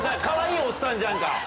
かわいいおっさんじゃんか！